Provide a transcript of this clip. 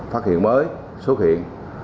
phát hiện mới xuất hiện